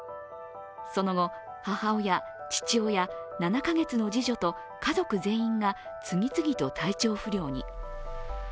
その後、母親、父親、７カ月の次女と家族全員が次々と体調不良に。